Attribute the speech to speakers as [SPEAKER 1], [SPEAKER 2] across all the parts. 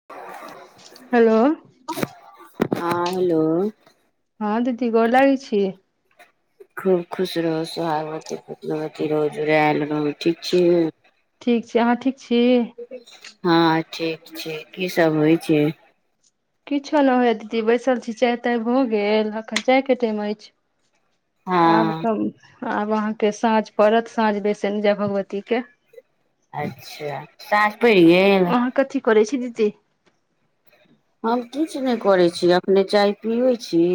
[SPEAKER 1] [unintelligible]
[SPEAKER 2] Hello!
[SPEAKER 1] हँ hello!
[SPEAKER 2] हँ दीदी गोर लागै छी!
[SPEAKER 1] खूब खुश रहू, सोहागवती रहु, पुत्रवती रहू, जूरैल रहू ठीक छी?
[SPEAKER 2] ठीक छै अहाँ ठीक छी?
[SPEAKER 1] हँ ठीक छै, की सब होइ छै?
[SPEAKER 2] किछो नहि होए दीदी बैसल छी, चाय-ताय भऽ गेल एखन चायके टाइम अछि आब
[SPEAKER 1] हँ
[SPEAKER 2] सब [unintelligible] आब अहाँके साँझ पड़त, साँझ बेसन जाएब भगवतीके
[SPEAKER 1] अच्छा सांझ पड़ि गेल?
[SPEAKER 2] अहाँ कथी करै छी दीदी
[SPEAKER 1] हम किछु नहि करैत छी अखने चाय पिबै छी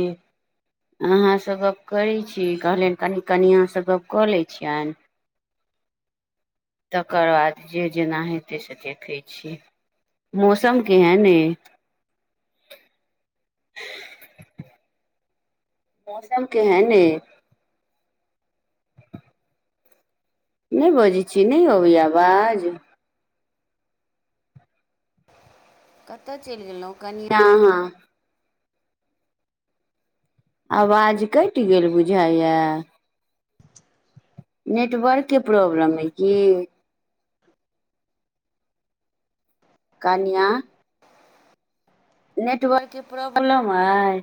[SPEAKER 1] अहाँसँ गप्प करै छी कहलनि कनि कनिआँसँ गप्प कऽ लै छियन तकर बाद जे जेना हेतै से देखै छियै मौसम केहन ऐ मौसम केहेन ये नहि बजै छी नहि अबै य आवाज कतय चैल गेलहुँ कनिया अहाँ आवाज कैट गेल बुझाइया नेटवर्क के प्रॉब्लम अय की कनिया नेटवर्क के प्रॉब्लम अय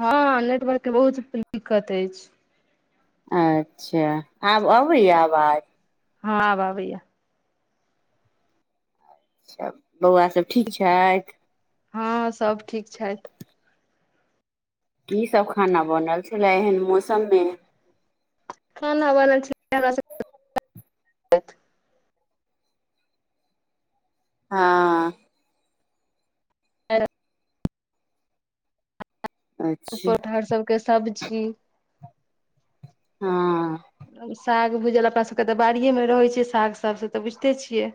[SPEAKER 2] हँ नेटवर्क के बहुत दिक्कत अछि
[SPEAKER 1] अच्छ आब अबय अवाज
[SPEAKER 2] हँ आब अबैया
[SPEAKER 1] बौआ सभ ठीक छथि
[SPEAKER 2] हँ सब ठीक छैत
[SPEAKER 1] कि सब खाना बनल छले एहेन मौसम मे
[SPEAKER 2] खाना बनल सब हमरा
[SPEAKER 1] हँ
[SPEAKER 2] आ [unintelligible] आलू
[SPEAKER 1] अच्छा
[SPEAKER 2] पौठार सबके सब्जी
[SPEAKER 1] हँ
[SPEAKER 2] साग भूजल अपना सबके तऽ बाड़िए मे रहैत छै साग सब तऽ बुझिते छियै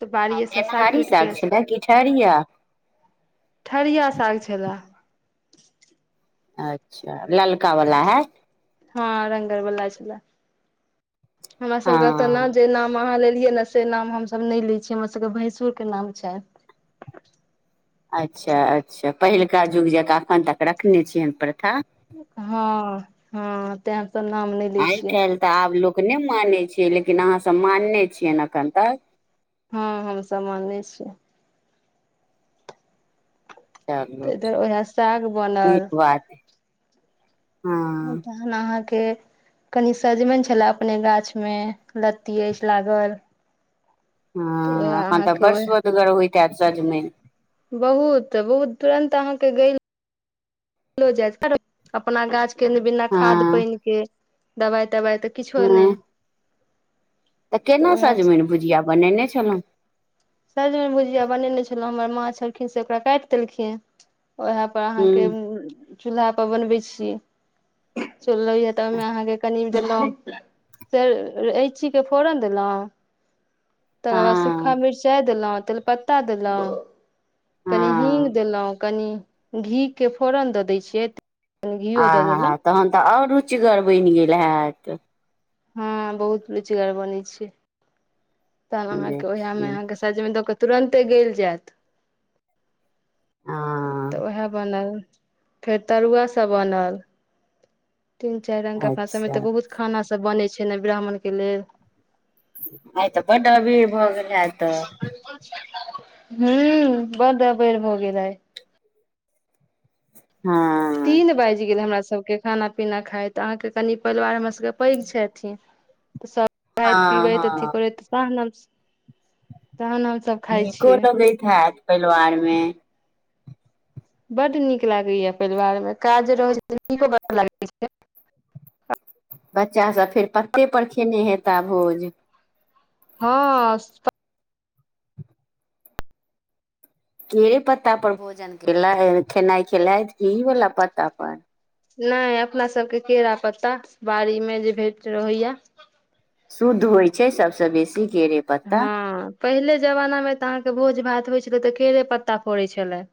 [SPEAKER 2] तऽ
[SPEAKER 1] हँ
[SPEAKER 2] बाड़िएसँ साग
[SPEAKER 1] गेनहारी
[SPEAKER 2] टूटि क
[SPEAKER 1] छलै कि ठरिया
[SPEAKER 2] ठढ़िया साग छलाय
[SPEAKER 1] अच्छा ललका वाला हय
[SPEAKER 2] हँ रंगर वला छला हमरा सभकय तेना
[SPEAKER 1] हँ
[SPEAKER 2] जे नाम अहाँ लेलियै ने से नाम हमस नहि ले छियै हमर सबके भैंसुर के नाम छैन
[SPEAKER 1] अच्छा अच्छा पहिलका जुग जकाँ एखन तक रखने छियैन प्रथा
[SPEAKER 2] हँ हँ तैं त नाम नहि लै
[SPEAKER 1] आइ
[SPEAKER 2] छियै
[SPEAKER 1] काल्हि तऽ आब लोक नहि मानै छैयै लेकिन अहाँ सब मानने छियै अखन तक
[SPEAKER 2] हँ हमसभ मानने छियै
[SPEAKER 1] चलू
[SPEAKER 2] तऽ इधर उएह साग बनल
[SPEAKER 1] नीक बात हे हँ
[SPEAKER 2] तहन अहा के कनि सजमनि छले अपने गाछ में लत्ती अछि लागल तऽ
[SPEAKER 1] हँ
[SPEAKER 2] उएह
[SPEAKER 1] एखन तऽ
[SPEAKER 2] अहाँके
[SPEAKER 1] बड
[SPEAKER 2] ओह
[SPEAKER 1] सुअदगर होइत हायत सजमनि
[SPEAKER 2] बहुत बहुत तुरंत अहाँके गल जा अपना गाछ के बिना खाद
[SPEAKER 1] हँ
[SPEAKER 2] पान के दवाइ तवाइ त किछु
[SPEAKER 1] हँ
[SPEAKER 2] नहि
[SPEAKER 1] तऽ केना सजमनि भुजिया बनेने छल‌उहुँ
[SPEAKER 2] सजमनि भुजिया बनेने छल‌उहुँ हमर माँ छलखिन्ह से ओकरा काटि देलखिन्ह उएह अहां के
[SPEAKER 1] हूँ
[SPEAKER 2] चूलहा पर बनबय छी चूलहो में त हमरा अहां के कनि प ल‌उहुं से इलेची के फोरन देल‌उहुँ तकर बाद सूखा
[SPEAKER 1] हँ
[SPEAKER 2] मिरचाइ देलहुँ तेजपत्ता देलहुँ कनि हींग
[SPEAKER 1] हँ
[SPEAKER 2] देलहुँ कनि घीके फोरन दऽ दै छियै एते
[SPEAKER 1] आ हा हा तहन तऽ आओर रुचिगर बनि गेल होयत
[SPEAKER 2] हँ बहुत रुचिगार बने छै तहन अहाँके ओहामे
[SPEAKER 1] देखियौ
[SPEAKER 2] अहाँके सजमनि दऽ कऽ तुरन्ते गैल जायत तऽ
[SPEAKER 1] हँ
[SPEAKER 2] उएह बनल फेर तरुआ सब बनल तीन चारि रंग के अपना सबके
[SPEAKER 1] अच्छा
[SPEAKER 2] तऽ बहुत खाना सब बनै छै ने ब्राह्मण के लेल
[SPEAKER 1] आइ तऽ बड्ड अबीर भऽ गेल हत
[SPEAKER 2] हू बड अबेर भ गेल रहै
[SPEAKER 1] हँ
[SPEAKER 2] तीन बाजि गेल हमरा सबके खाना पीना खायत अहाँके कनि परिवार हमरा सभके पैघ छथिन ऽ सभ खाइत
[SPEAKER 1] हँ
[SPEAKER 2] पिबैत अथी
[SPEAKER 1] हँ
[SPEAKER 2] करैत तहन हम स तहन हम
[SPEAKER 1] नीको लगैत हैत परिवारमे
[SPEAKER 2] बड्ड नीक लागैए परिवारमे काज रहय छै तऽ नीको बड लागैत छै
[SPEAKER 1] बच्चा सभ फेर पत्ते पर खेने हेताह भोज
[SPEAKER 2] हँ स्प
[SPEAKER 1] के पत्ता पर भोजन केल खेनाइ खेलय ई वला पत्ता पर
[SPEAKER 2] नहि अपना सबके केला पत्ता बाड़ी मे जे भेट रहैया
[SPEAKER 1] शुद्ध होइत छै सभसँ बेसी जे
[SPEAKER 2] हँ पहिले जमानामे तऽ अहाँके भोज भात होइत छलै तऽ केड़े पत्ता पर होइत छलै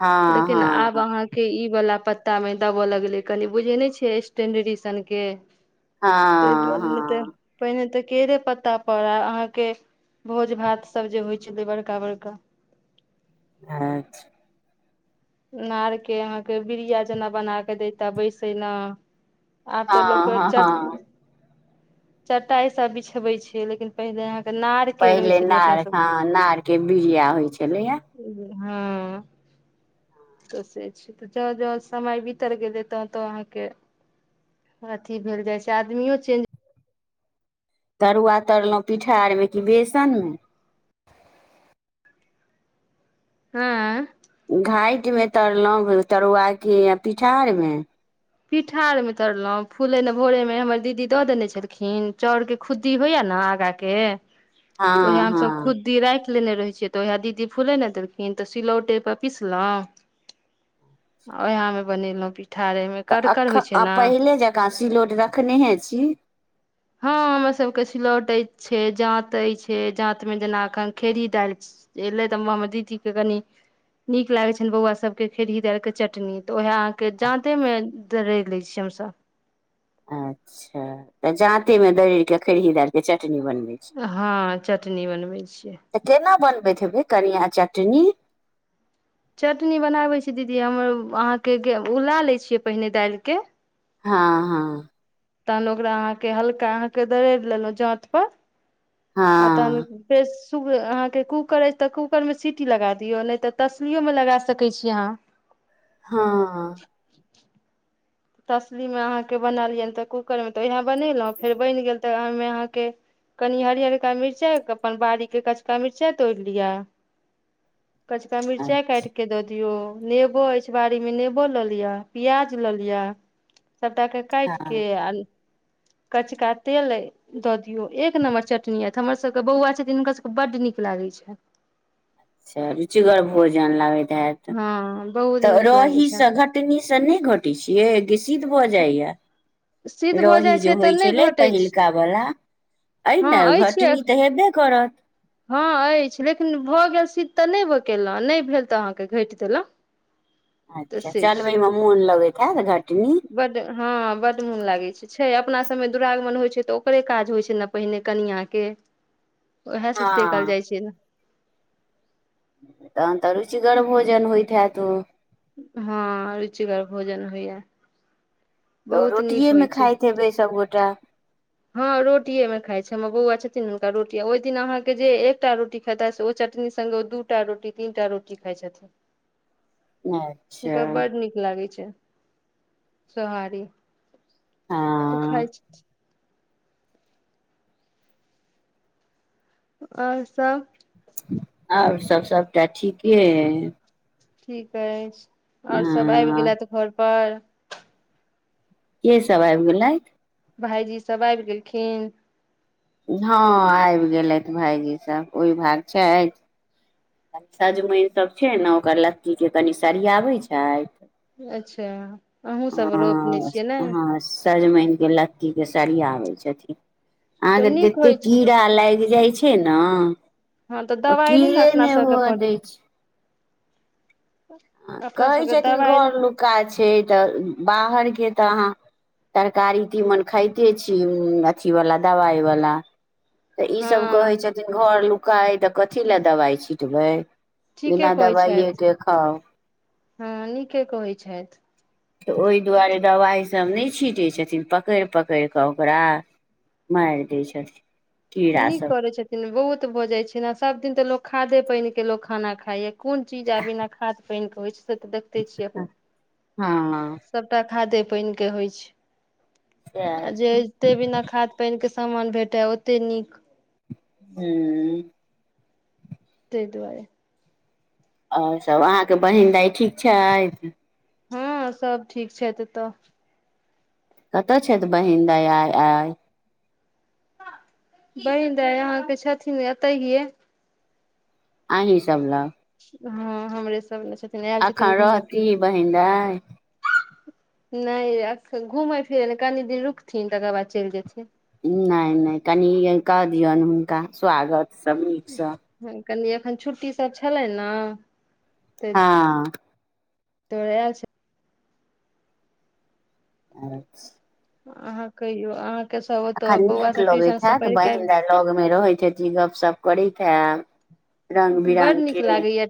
[SPEAKER 1] हँ
[SPEAKER 2] लेकिन
[SPEAKER 1] हँ
[SPEAKER 2] आब अहाँ के ई वला पत्ता में देब लगलै कनि बुझय नहि छियै स्टेंडरी सनके त
[SPEAKER 1] हँ
[SPEAKER 2] दुआरे त
[SPEAKER 1] हँ
[SPEAKER 2] पहिने तऽ के देे पत्ता परा अहाँके भोज भात सब जे होइ छलै बड़का बड़का
[SPEAKER 1] अ छी
[SPEAKER 2] नार के अहाँके बिड़िया जेना बना के देता बैसेना आब त
[SPEAKER 1] हँ
[SPEAKER 2] लोक के
[SPEAKER 1] हँ
[SPEAKER 2] चट
[SPEAKER 1] हँ
[SPEAKER 2] चटाईस बिछवय छियै लेकिन पहिले अहाँ के नाड़
[SPEAKER 1] पहिले नाड़ हं नाड़ के बिरिया होइ छलैया
[SPEAKER 2] हँ तऽ से छै तऽ जँं जो समय बितर गेलै तह तऽ अहाँके अथी भेल जाय छै आदमियो चेंज
[SPEAKER 1] तरुआ तरल‌उहुँ पीठार मे कि बेसन मे
[SPEAKER 2] हुं
[SPEAKER 1] घाठिमें तरल‌उहुँ तरुआ कि पिठार मे
[SPEAKER 2] पीठारमे तरलहुँ फूलेने भोरे मे हमर दीदी दऽ देने छलखिन चाउरके खुद्दी होइया ने आगा के त ओहे
[SPEAKER 1] हँ
[SPEAKER 2] हमस खु
[SPEAKER 1] हँ
[SPEAKER 2] दी राखि लेने रहै छियै तऽ ओहा दीदी फूले ला देलखिन तऽ सिलौटे पर पिसल‌उहुँ ओएहा हम बनेलहुं पीठारेमे [unintelligible]
[SPEAKER 1] तऽ अखन पहिले जकाँ सिलोट रखनेहे छी
[SPEAKER 2] हँ हमर सबके सिलौट छै जाते छै जात में जेना अखन खेड़ी दालि एयलै तऽ हम हमर दीदी के कनी नीक लागे छनि बौआ सबके खेहीदार के चटनी तऽ ओ अहाँके जाँते मे दरैर लै छीयै हमसभ
[SPEAKER 1] अच्छा तऽ जात में दड़ड़ के खेरही दाल के चटनी बनबै छी
[SPEAKER 2] हँ चटनी बनबै छियै
[SPEAKER 1] तऽ केना बनबैत हेबै कनिया चटनी
[SPEAKER 2] चटनी बनाबैत छी दीदी हम अहाँके उला लैत छियै पहिने दालिके
[SPEAKER 1] हँ हँ
[SPEAKER 2] तहन ओकरा अहाँकेँ हल्का अहाँकेँ दरैड़ि लेल‌उहुँ जाँत पर आ तहन।
[SPEAKER 1] हँ
[SPEAKER 2] फ अहाँकेँ कूकर अछि, तऽ कूकर मे सीटी लगा दियौ नहि तऽ तसलियोमे लगा सकै छी अहाँ।
[SPEAKER 1] हँ।
[SPEAKER 2] तसलीमे अहाँकेँ बनालिय तऽ कूकरमे तऽ उएह बनेलहुँ फेर बनि गेल तऽ ओहिमे अहाँकेँ। कनि हरियरका मिर्चाइ अपन बाड़ीके कचका मिर्चाइ तोड़ि लिअ। कचका
[SPEAKER 1] हँ
[SPEAKER 2] मिर्चाइ काटिकऽ। के द दियो नेबो अछि, बाड़ीमे नेबो लऽ लिय प्याज लऽ लिय। सभटाके काटिके
[SPEAKER 1] अच्छा
[SPEAKER 2] आ कचका तेल औ। दऽ दियौ एक नम्बर चटनी आत हमरस भके बौआ छथिन, हुनकास भके बड्ड निक लागैत छै।
[SPEAKER 1] [inaudible] अच्छा रुचिगर भोजन लागैत होयत
[SPEAKER 2] हँ बहुत
[SPEAKER 1] तऽ
[SPEAKER 2] नीक लागै छै
[SPEAKER 1] रहीसँ घट। कतनीसँ नहि घटैत छियै, कि सिद्ध भऽ जाइया।
[SPEAKER 2] सिद्ध भऽ
[SPEAKER 1] रही
[SPEAKER 2] जाइ छै
[SPEAKER 1] जे
[SPEAKER 2] तऽ
[SPEAKER 1] होइ
[SPEAKER 2] नहि
[SPEAKER 1] छलै
[SPEAKER 2] घटै
[SPEAKER 1] पहिल
[SPEAKER 2] छै
[SPEAKER 1] कऽ वला। आइ
[SPEAKER 2] हँ
[SPEAKER 1] ने
[SPEAKER 2] अछि
[SPEAKER 1] घटनी तऽ हेबे करत
[SPEAKER 2] हँ, अछि। लेकिन भऽ गेल सिद्ध तऽ नहि ब केलहुँ नहि भेल तऽ अहाँकेँ घटि देलहुँ। तऽ
[SPEAKER 1] अच्छा
[SPEAKER 2] से
[SPEAKER 1] चलबय मे मोन लगैत होयत घटनी।
[SPEAKER 2] बड़, हँ बड़ मोन लागय छै। छै, अपना सभमे दुरागमन होइ छै, तऽ ओकरे काज होइत छै, ने पहिने कनिआके उएह सँ सस्ते कल
[SPEAKER 1] हँ
[SPEAKER 2] जाइ छै ने।
[SPEAKER 1] तहन तऽ रुचिगर भोजन होइत हैत, ओ।
[SPEAKER 2] हँ, य रुचिगर भोजन होइए।
[SPEAKER 1] तऽ ओ रोटिएमे
[SPEAKER 2] छै
[SPEAKER 1] खाइत हेबै सभगोटा।
[SPEAKER 2] हँ, रोटिएमे खाय छै, हमर बौआ छथिन ने हुनका रोटी ओहि दिन अहाँकेँ जे एकटा रोटी। खेतासँ ओ चटनी संघगे दूटा रोटी तीन टा रोटी खाइ छथिन।
[SPEAKER 1] [inaudible] अच्छा
[SPEAKER 2] अकरा बड नीक लागै छै सोहारी। उ
[SPEAKER 1] हँ
[SPEAKER 2] खइ छै। और सभ?
[SPEAKER 1] और सभ सभटा ठीके अइ।
[SPEAKER 2] ठीक अछि, और सभ आबि
[SPEAKER 1] हँ
[SPEAKER 2] गेलथि घर पर?
[SPEAKER 1] के सभ आब गेलै।
[SPEAKER 2] भाईजी सभ आब गेलखिन।
[SPEAKER 1] हँ, आब गेल भायजी सभ ओहि भाग छै। सजमैन सभ छै, ने ओकर लत्तीके कनि सरिया बैत छै।
[SPEAKER 2] अच्छा, अहूँ सभ रोपने छियै ने।
[SPEAKER 1] सजमैनके लत्ती के सरियाबे छथि आहा
[SPEAKER 2] तऽ
[SPEAKER 1] के
[SPEAKER 2] नीक
[SPEAKER 1] तते
[SPEAKER 2] होइ छै
[SPEAKER 1] कीड़ा लाग जाय छै। छै ने।
[SPEAKER 2] हँ, तऽ दवाई नहि न।
[SPEAKER 1] हुआ दै छै।
[SPEAKER 2] अपना
[SPEAKER 1] कहै
[SPEAKER 2] सबके
[SPEAKER 1] छथिन
[SPEAKER 2] दबाइ
[SPEAKER 1] घर लुक्का छै, तऽ बाहर के तऽ अहाँ। तरकारी तीमन खाइते छै अथि वला दबाइवला। तऽ ईसभ कहै
[SPEAKER 2] हँ
[SPEAKER 1] छथिन, घर लुकाइ तऽ कथि लए दबाइ छिटबै।
[SPEAKER 2] ठीके
[SPEAKER 1] बिना
[SPEAKER 2] कहै
[SPEAKER 1] दबाइए
[SPEAKER 2] छथि
[SPEAKER 1] के खाउ।
[SPEAKER 2] हँ, निके कहैत छैत।
[SPEAKER 1] तऽ ओहि दुआरे दबाई। सभ नहि छिटै छथिन पकैड़ पकैड़ कऽ ओकरा माएर दै छथिन कीड़ा
[SPEAKER 2] निक
[SPEAKER 1] सब
[SPEAKER 2] करै छै बहुत भजाए छै न सब दिन त लोग खादे पैन के लोग खाना खाइ या कोन चीज आबीना खाद पाएन के होइ छै से तऽ देखते छियै आहाँ
[SPEAKER 1] हँ
[SPEAKER 2] सभटा खादे पैन के होइ छै
[SPEAKER 1] सएह
[SPEAKER 2] आ जे ओते बिना खाद पैन के समान भेटए ओते नीक
[SPEAKER 1] हू
[SPEAKER 2] तैय दुआरे
[SPEAKER 1] और सब अहाँके बहिन दाइ ठीक छैथ
[SPEAKER 2] हँ सब ठीक छैथ एतऽ
[SPEAKER 1] कतऽ छैथ बहिन दाई आई आल
[SPEAKER 2] बहिन दाय अहाँ के छथिन एतै हे
[SPEAKER 1] अही सब लग
[SPEAKER 2] हँ हमरे सब लग छथिन आयल
[SPEAKER 1] अखन
[SPEAKER 2] छथिन घूमय
[SPEAKER 1] रहती
[SPEAKER 2] फिरे
[SPEAKER 1] बहिन दाय
[SPEAKER 2] नहि ये अख घुमै फिरे ले कनि दिन रुकथिन तकर बाद चलि जेथिन
[SPEAKER 1] नहि नहि कनि आई क दिऔन हुनका स्वागत सब नीकसँ
[SPEAKER 2] कनी एखन छुट्टी सब छलै न
[SPEAKER 1] हँ
[SPEAKER 2] तोरे छै [unintelligible]
[SPEAKER 1] अच्छा
[SPEAKER 2] अहाँ कहियो अहाँके सब ओतऽ बौआ सब ट्यूशन स पढ़ि क आइब गेल
[SPEAKER 1] लग मे रहैत हति गप सप करैत हेब रंग बिरंग के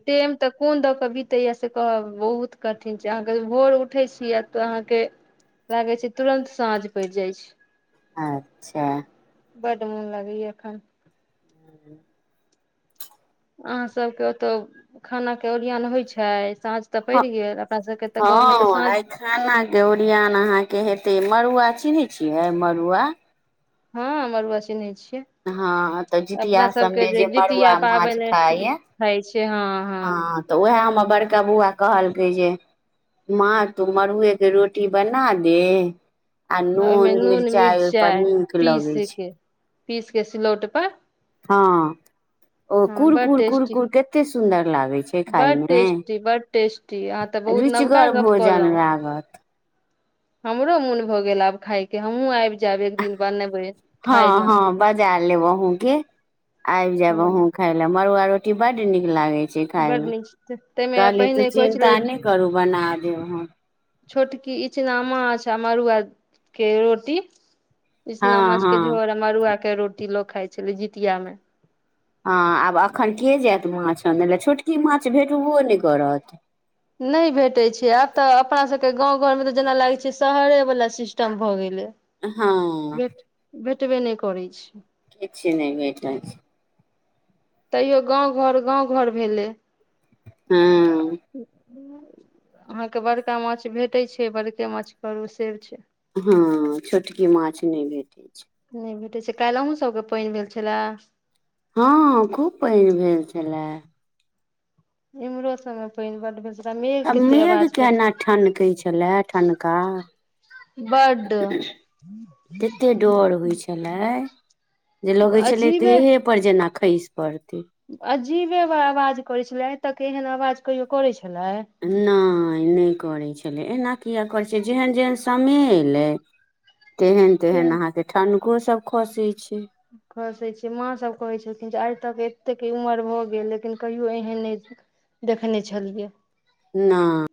[SPEAKER 2] टेइम तऽ कोन दऽ कऽ बीतैया से कहब बहुत कठिन छै अहाँके भोर उठै छियै आ तऽ अहाँके लागै छै तुरंत साँझ पैड़ जाय छै
[SPEAKER 1] अच्छा
[SPEAKER 2] बड्ड मुन लगैया अखन
[SPEAKER 1] [inaudible] [inaudible]
[SPEAKER 2] अहाँ सबके ओत्त खाना के ओरियान होइ छैय साँझ तऽ पैड़
[SPEAKER 1] हँ
[SPEAKER 2] गेल अपना सबके तऽ गाँवमे तऽ
[SPEAKER 1] हँ
[SPEAKER 2] साँझ
[SPEAKER 1] आइ खाना के ओरियान अहाँके हेते मड़ुआ चिन्है छियै मड़ुआ
[SPEAKER 2] हँ मरुआ चिनई छियै
[SPEAKER 1] हँ तऽ
[SPEAKER 2] अपना
[SPEAKER 1] जितिया
[SPEAKER 2] सबके
[SPEAKER 1] सबमे जे
[SPEAKER 2] जितिया
[SPEAKER 1] मड़ुआ माछ
[SPEAKER 2] पाबनि
[SPEAKER 1] खाइया
[SPEAKER 2] होइ छै हँ
[SPEAKER 1] हँ तऽ उएह हमर बड़का बौआ कहलकै जे माँ तू मड़ुएके रोटी बना दे आ
[SPEAKER 2] ओहिमे
[SPEAKER 1] नून मिर्चाई ओहिप
[SPEAKER 2] मिरचाइ
[SPEAKER 1] नीक
[SPEAKER 2] पीस
[SPEAKER 1] लगै छै
[SPEAKER 2] के पीस के सिलौट प
[SPEAKER 1] हँ ओ
[SPEAKER 2] बड़
[SPEAKER 1] कुरकुर
[SPEAKER 2] टेस्टी
[SPEAKER 1] कुरकुर कते सुंदर लागै छै खाय
[SPEAKER 2] बड़
[SPEAKER 1] मे
[SPEAKER 2] टेस्टी बड़ टेस्टी अहाँ तऽ बहुत नवका
[SPEAKER 1] रुचिगर
[SPEAKER 2] गप
[SPEAKER 1] भोजन
[SPEAKER 2] कहलहुँ
[SPEAKER 1] लागत
[SPEAKER 2] हमरो मुन भऽ गेल आब खायके हमहु आब जायब एक दिन ब नबय
[SPEAKER 1] हँ हँ बजा लेब अहुंके आबि जाएब
[SPEAKER 2] हँ
[SPEAKER 1] अहुं खाय ल मरुआ रोटी बड निक लागै
[SPEAKER 2] बड
[SPEAKER 1] खायमे
[SPEAKER 2] नीक ताहिमे
[SPEAKER 1] कहली तू
[SPEAKER 2] पहिने कहै छलै
[SPEAKER 1] चिन्ता नहि करू बना देब हम
[SPEAKER 2] छोटकी इचना माछ आ मड़ुआ के रोटी इचना
[SPEAKER 1] हँ
[SPEAKER 2] माछ के
[SPEAKER 1] हँ
[SPEAKER 2] झोर मड़ुआ के रोटी लोग खाय छले जीतिया में
[SPEAKER 1] हँ आब एखन के जायत माछ अनै लए छोटकी माछ भेटबो नहि करत
[SPEAKER 2] नहि भेटैत छै आब तऽ अपनासभके गाँव घरमे तऽ जेना लागैत छै शहरेवला सिस्टम भऽ गेलै
[SPEAKER 1] हँ
[SPEAKER 2] भेट भेटबे नहि करै छै
[SPEAKER 1] किछु नहि भेटे छै
[SPEAKER 2] तैयो गाँंव घर गाँंव घर भेले
[SPEAKER 1] हँ
[SPEAKER 2] अहाँके बड़का माछ भेटैत छै बड़के माछ करू से छै
[SPEAKER 1] हँ छोटकी माछ नहि भेटैत छै
[SPEAKER 2] नहि भेटैत छै काल्हि अहुँ सबके पानि भेल छलैए
[SPEAKER 1] हँ खूब पैन भेल छलए
[SPEAKER 2] इमरो सब म पायन बड भेल छलिह
[SPEAKER 1] आ मेघ केना ठनकैत छलय ठनका
[SPEAKER 2] बड
[SPEAKER 1] तते डर होइ छले जे लगे छले
[SPEAKER 2] अजीबे
[SPEAKER 1] देहे पर जेना खेस पड़ते
[SPEAKER 2] अजीबे आवाज करै छले आय तक एहन आवाज कहियो करै छलय
[SPEAKER 1] नहि नहि करै छलैय एना किया करै छै जेहन जेहन समय एयलै तेहन
[SPEAKER 2] से
[SPEAKER 1] तेहन अहाँके ठनको सभ खसै छै
[SPEAKER 2] खसैत छै माँ सभ कहैत छलखिन जे आइ तक एतेक उमर भऽ गेल लेकिन कहियो एहन नहि देखलौं देखने छलियै
[SPEAKER 1] नहि